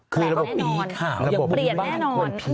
แต่แน่นอนปลี่ยันแน่นอน